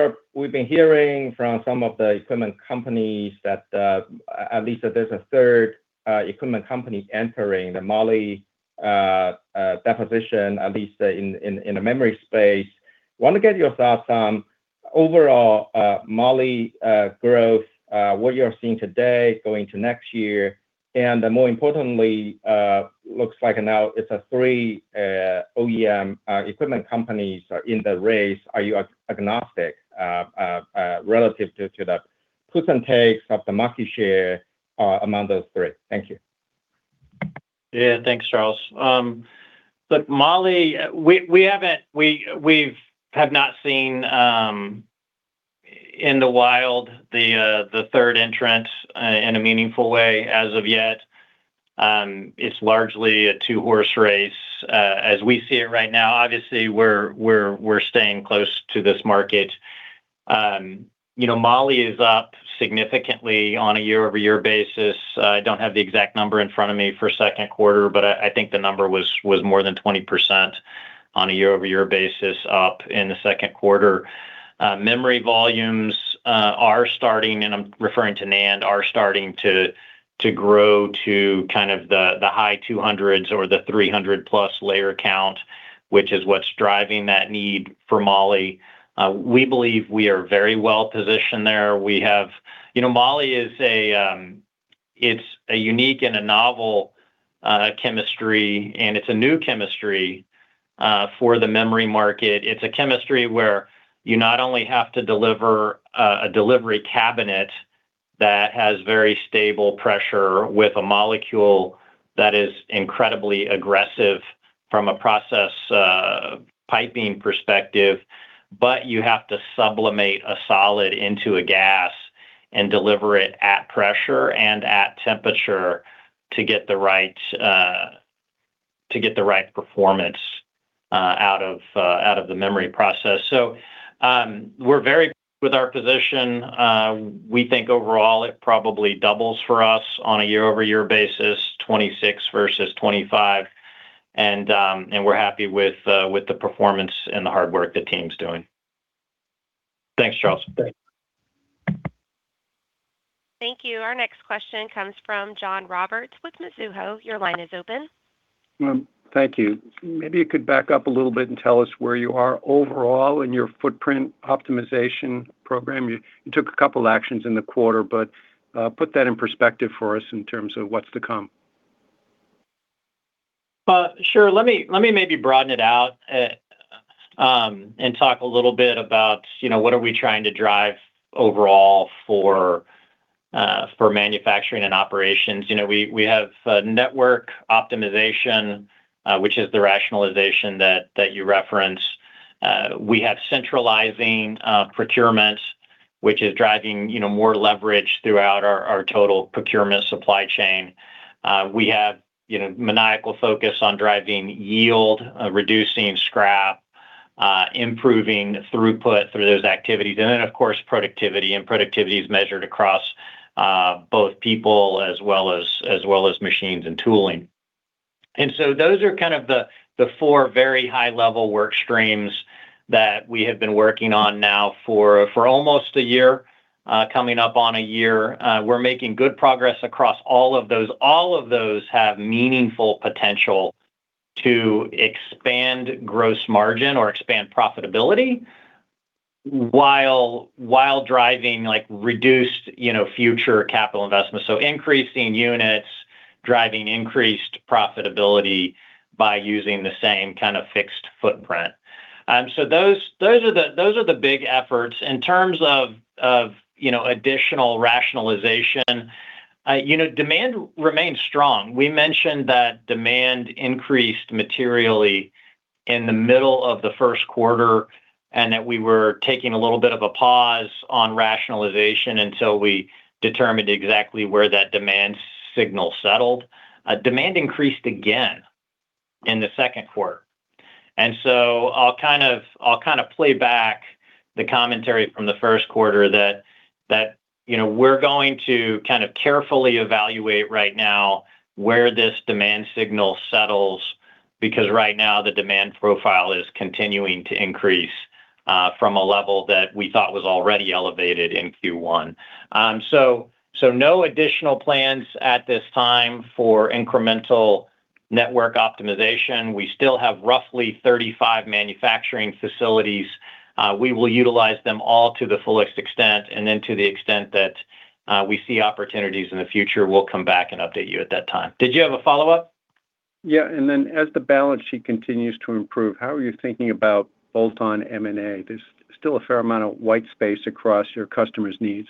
been hearing from some of the equipment companies that at least that there's a third equipment company entering the Molybdenum deposition, at least in the memory space. Want to get your thoughts on overall Molybdenum growth, what you are seeing today going to next year. More importantly, looks like now it's a three OEM equipment companies are in the race. Are you agnostic relative to the gives and takes of the market share among those three? Thank you. Thanks, Charles. Look, Molybdenum, we have not seen in the wild the third entrant in a meaningful way as of yet. It's largely a two-horse race as we see it right now. Obviously, we're staying close to this market. Molybdenum is up significantly on a year-over-year basis. I don't have the exact number in front of me for second quarter, but I think the number was more than 20% on a year-over-year basis up in the second quarter. Memory volumes are starting, and I'm referring to NAND, are starting to grow to kind of the high 200s or the 300+ layer count, which is what's driving that need for Molybdenum. We believe we are very well-positioned there. Molybdenum, it's a unique and a novel chemistry, and it's a new chemistry for the memory market. It's a chemistry where you not only have to deliver a delivery cabinet that has very stable pressure with a molecule that is incredibly aggressive from a process piping perspective, but you have to sublimate a solid into a gas and deliver it at pressure and at temperature to get the right performance out of the memory process. We're very with our position. We think overall it probably doubles for us on a year-over-year basis, 2026 versus 2025. We're happy with the performance and the hard work the team's doing. Thanks, Charles. Thanks. Thank you. Our next question comes from John Roberts with Mizuho. Your line is open. Thank you. Maybe you could back up a little bit and tell us where you are overall in your footprint optimization program. You took a couple actions in the quarter, put that in perspective for us in terms of what's to come. Sure. Let me maybe broaden it out and talk a little bit about what are we trying to drive overall for manufacturing and operations. We have network optimization, which is the rationalization that you reference. We have centralizing procurements, which is driving more leverage throughout our total procurement supply chain. We have maniacal focus on driving yield, reducing scrap, improving throughput through those activities, and then of course, productivity. Productivity is measured across both people as well as machines and tooling. Those are kind of the four very high-level work streams that we have been working on now for almost a year, coming up on a year. We're making good progress across all of those. All of those have meaningful potential to expand gross margin or expand profitability while driving reduced future capital investments. Increasing units, driving increased profitability by using the same kind of fixed footprint. Those are the big efforts. In terms of additional rationalization, demand remains strong. We mentioned that demand increased materially in the middle of the first quarter, and that we were taking a little bit of a pause on rationalization until we determined exactly where that demand signal settled. Demand increased again in the second quarter. I'll play back the commentary from the first quarter that we're going to carefully evaluate right now where this demand signal settles, because right now the demand profile is continuing to increase from a level that we thought was already elevated in Q1. No additional plans at this time for incremental network optimization. We still have roughly 35 manufacturing facilities. We will utilize them all to the fullest extent, and then to the extent that we see opportunities in the future, we'll come back and update you at that time. Did you have a follow-up? Yeah. As the balance sheet continues to improve, how are you thinking about bolt-on M&A? There's still a fair amount of white space across your customers' needs.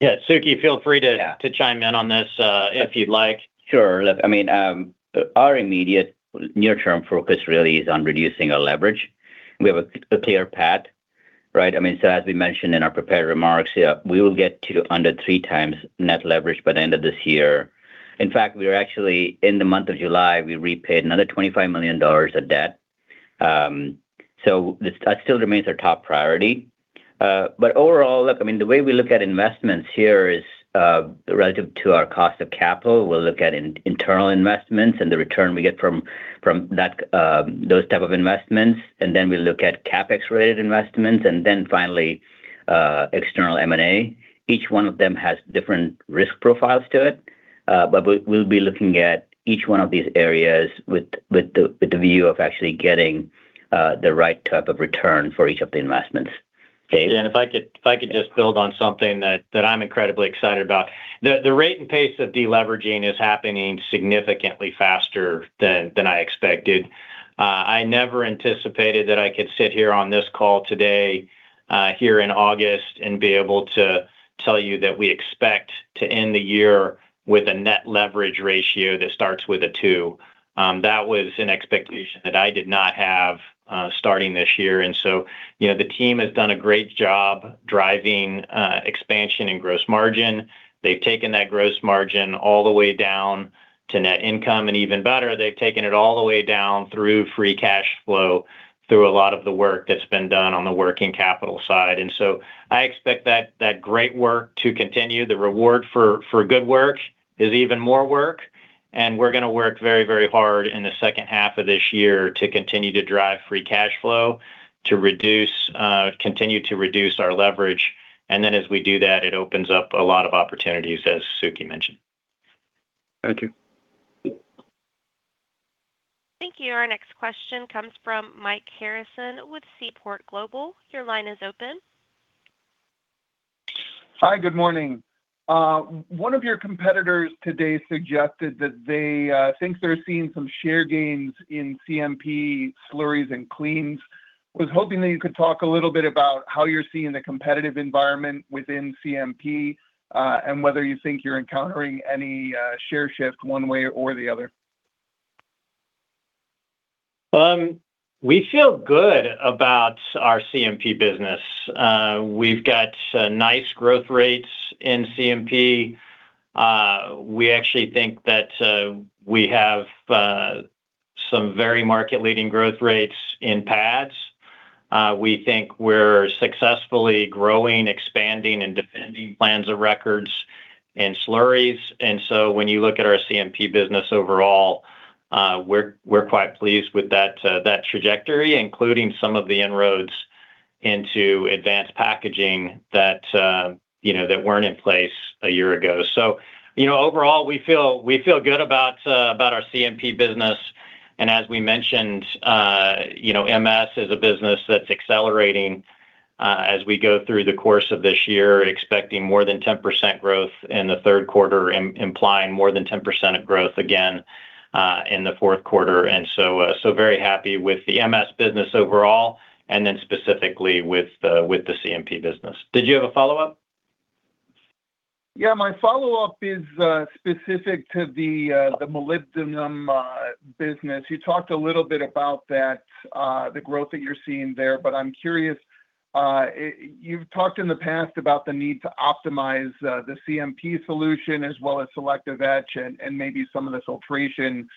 Yeah. Sukhi, feel free to chime in on this if you'd like. Sure. Look, our immediate near-term focus really is on reducing our leverage. We have a clear path, right? As we mentioned in our prepared remarks, we will get to under three times net leverage by the end of this year. In fact, we are actually in the month of July, we repaid another $25 million of debt. That still remains our top priority. Overall, look, the way we look at investments here is, relative to our cost of capital, we'll look at internal investments and the return we get from those type of investments, and then we look at CapEx-related investments, and then finally, external M&A. Each one of them has different risk profiles to it. We'll be looking at each one of these areas with the view of actually getting the right type of return for each of the investments. If I could just build on something that I'm incredibly excited about. The rate and pace of de-leveraging is happening significantly faster than I expected. I never anticipated that I could sit here on this call today, here in August, and be able to tell you that we expect to end the year with a net leverage ratio that starts with a two. That was an expectation that I did not have starting this year. The team has done a great job driving expansion and gross margin. They've taken that gross margin all the way down to net income, and even better, they've taken it all the way down through free cash flow through a lot of the work that's been done on the working capital side. I expect that great work to continue. The reward for good work is even more work, we're going to work very hard in the second half of this year to continue to drive free cash flow, to continue to reduce our leverage. As we do that, it opens up a lot of opportunities, as Sukhi mentioned. Thank you. Yeah. Thank you. Our next question comes from Mike Harrison with Seaport Global. Your line is open. Hi, good morning. One of your competitors today suggested that they think they're seeing some share gains in CMP slurries and cleans. Was hoping that you could talk a little bit about how you're seeing the competitive environment within CMP, whether you think you're encountering any share shift one way or the other. We feel good about our CMP business. We've got nice growth rates in CMP. We actually think that we have some very market-leading growth rates in pads. We think we're successfully growing, expanding, and defending plans of records and slurries. When you look at our CMP business overall, we're quite pleased with that trajectory, including some of the inroads into advanced packaging that weren't in place a year ago. Overall, we feel good about our CMP business. As we mentioned, MS is a business that's accelerating as we go through the course of this year, expecting more than 10% growth in the third quarter, implying more than 10% of growth again in the fourth quarter. Very happy with the MS business overall, and then specifically with the CMP business. Did you have a follow-up? Yeah, my follow-up is specific to the molybdenum business. You talked a little bit about the growth that you're seeing there, but I'm curious. You've talked in the past about the need to optimize the CMP solution, as well as selective etch, and maybe some of the filtration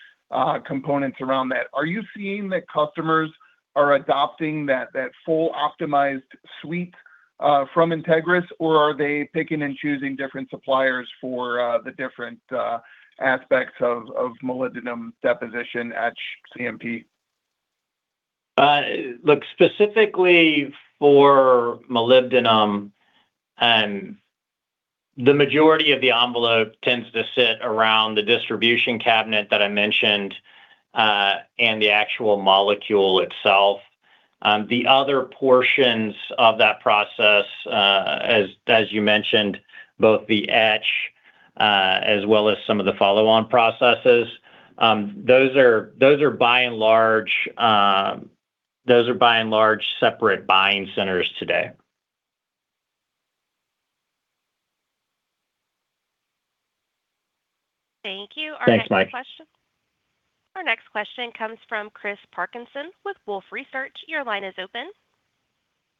components around that. Are you seeing that customers are adopting that full optimized suite from Entegris, or are they picking and choosing different suppliers for the different aspects of molybdenum deposition etch CMP? Look, specifically for molybdenum, the majority of the envelope tends to sit around the distribution cabinet that I mentioned, and the actual molecule itself. The other portions of that process, as you mentioned, both the etch as well as some of the follow-on processes, those are by and large separate buying centers today. Thank you. Thanks, Mike. Our next question comes from Chris Parkinson with Wolfe Research. Your line is open.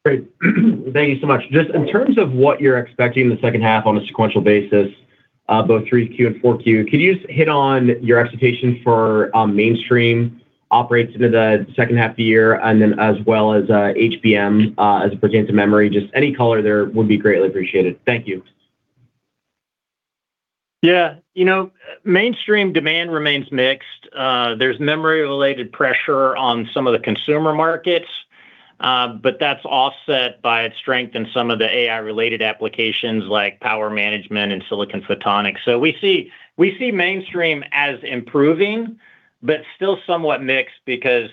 Great. Thank you so much. Just in terms of what you're expecting in the second half on a sequential basis, both 3Q and 4Q, could you just hit on your expectations for mainstream operates into the second half of the year, and then as well as HBM as it pertains to memory? Just any color there would be greatly appreciated. Thank you. Yeah. Mainstream demand remains mixed. There's memory-related pressure on some of the consumer markets, that's offset by its strength in some of the AI-related applications like power management and silicon photonics. We see mainstream as improving, but still somewhat mixed because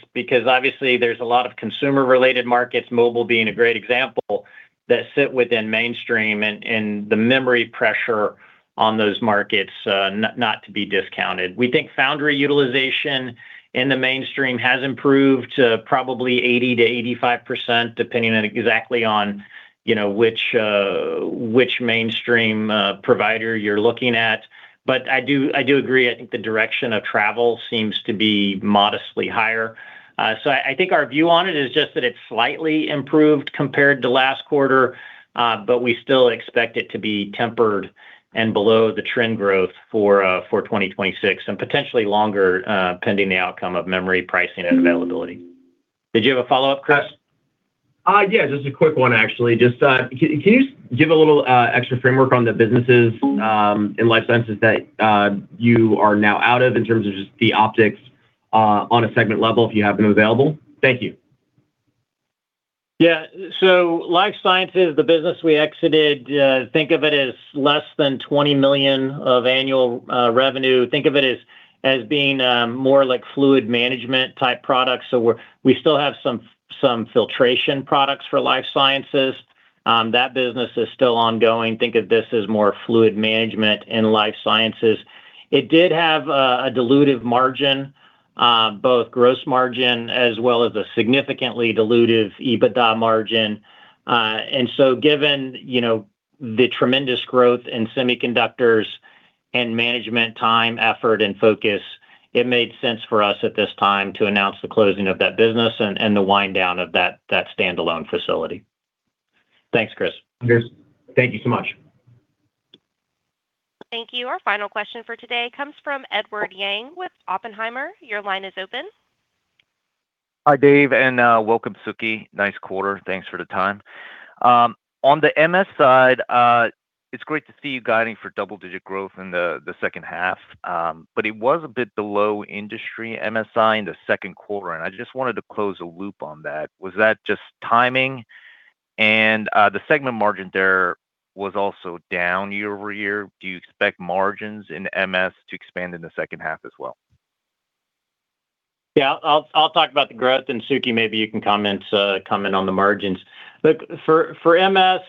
obviously there's a lot of consumer-related markets, mobile being a great example, that sit within mainstream, and the memory pressure on those markets, not to be discounted. We think foundry utilization in the mainstream has improved to probably 80%-85%, depending on exactly on which mainstream provider you're looking at. I do agree, I think the direction of travel seems to be modestly higher. I think our view on it is just that it's slightly improved compared to last quarter, but we still expect it to be tempered and below the trend growth for 2026, and potentially longer, pending the outcome of memory pricing and availability. Did you have a follow-up, Chris? Yeah, just a quick one, actually. Can you just give a little extra framework on the businesses in life sciences that you are now out of in terms of just the optics on a segment level, if you have them available? Thank you. Yeah. Life sciences, the business we exited, think of it as less than $20 million of annual revenue. Think of it as being more like fluid management type products. We still have some filtration products for life sciences. That business is still ongoing. Think of this as more fluid management and life sciences. It did have a dilutive margin, both gross margin as well as a significantly dilutive EBITDA margin. Given the tremendous growth in semiconductors and management time, effort, and focus, it made sense for us at this time to announce the closing of that business and the wind-down of that standalone facility. Thanks, Chris. Cheers. Thank you so much. Thank you. Our final question for today comes from Edward Yang with Oppenheimer. Your line is open. Hi, Dave, and welcome, Sukhi. Nice quarter. Thanks for the time. On the MS side, it's great to see you guiding for double-digit growth in the second half. It was a bit below industry MSI in the second quarter, and I just wanted to close a loop on that. Was that just timing? The segment margin there was also down year-over-year. Do you expect margins in MS to expand in the second half as well? I'll talk about the growth, and Sukhi, maybe you can comment on the margins. Look, for MS,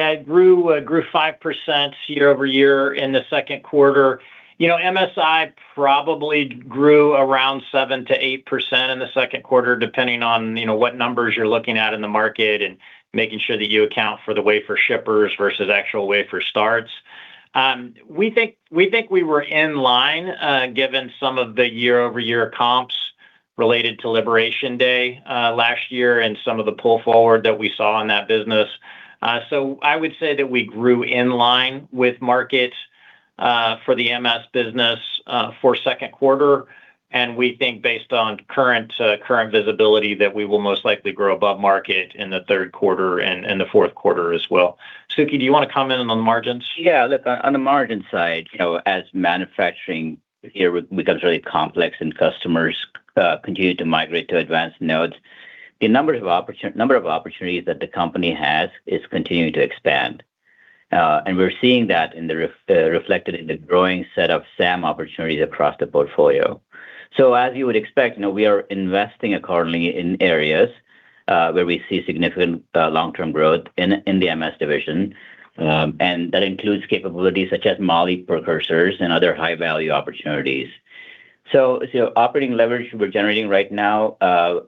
it grew 5% year-over-year in the second quarter. MSI probably grew around 7%-8% in the second quarter, depending on what numbers you're looking at in the market and making sure that you account for the wafer shippers versus actual wafer starts. We think we were in line, given some of the year-over-year comps related to Liberation Day last year and some of the pull forward that we saw in that business. I would say that we grew in line with market for the MS business for second quarter, and we think based on current visibility, that we will most likely grow above market in the third quarter and the fourth quarter as well. Sukhi, do you want to comment in on the margins? Look, on the margin side, as manufacturing here becomes really complex and customers continue to migrate to advanced nodes, the number of opportunities that the company has is continuing to expand. We're seeing that reflected in the growing set of SAM opportunities across the portfolio. As you would expect, we are investing accordingly in areas where we see significant long-term growth in the MS division, and that includes capabilities such as moly precursors and other high-value opportunities. Operating leverage we're generating right now,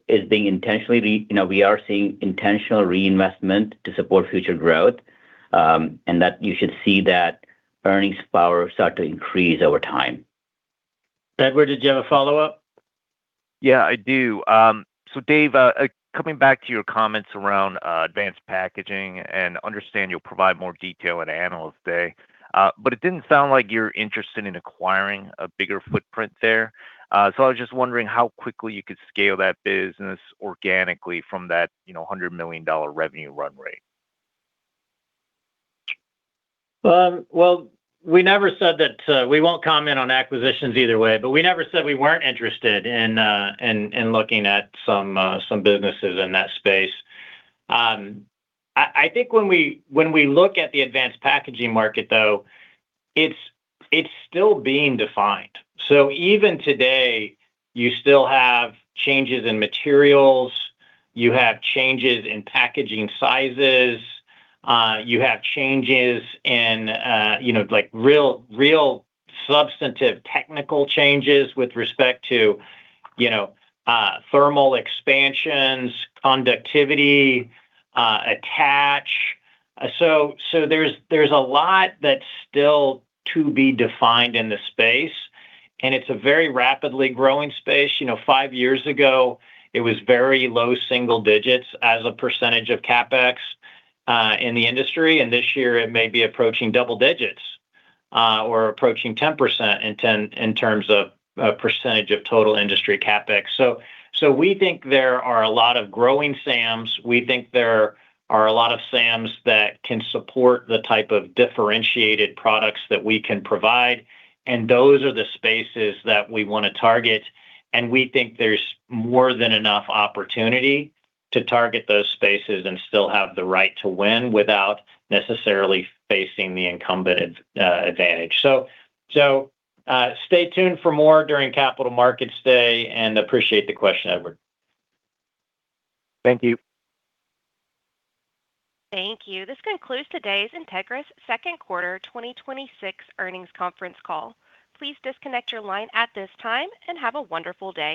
we are seeing intentional reinvestment to support future growth, and you should see that earnings power start to increase over time. Edward, did you have a follow-up? Yeah, I do. Dave, coming back to your comments around advanced packaging and understand you'll provide more detail at Analyst Day. It didn't sound like you're interested in acquiring a bigger footprint there. I was just wondering how quickly you could scale that business organically from that $100 million revenue run rate. We won't comment on acquisitions either way, but we never said we weren't interested in looking at some businesses in that space. I think when we look at the advanced packaging market, though, it's still being defined. Even today, you still have changes in materials, you have changes in packaging sizes, you have changes in real substantive technical changes with respect to thermal expansions, conductivity, attach. There's a lot that's still to be defined in the space, and it's a very rapidly growing space. Five years ago, it was very low single digits as a percentage of CapEx in the industry, and this year it may be approaching double digits, or approaching 10% in terms of percentage of total industry CapEx. We think there are a lot of growing SAMs. We think there are a lot of SAMs that can support the type of differentiated products that we can provide, and those are the spaces that we want to target, and we think there's more than enough opportunity to target those spaces and still have the right to win without necessarily facing the incumbent advantage. Stay tuned for more during Capital Markets Day and appreciate the question, Edward. Thank you. Thank you. This concludes today's Entegris second quarter 2026 earnings conference call. Please disconnect your line at this time and have a wonderful day.